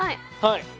はい。